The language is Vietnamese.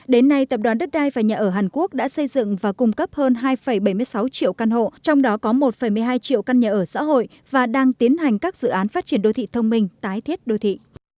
đến nay tập đoàn đất đai và nhà ở hàn quốc đã xây dựng và cung cấp hơn hai bảy mươi sáu triệu căn hộ trong đó có một một mươi hai triệu căn nhà ở xã hội và đang tiến hành các dự án phát triển đô thị thông minh tái thiết đô thị